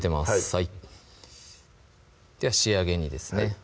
はいでは仕上げにですね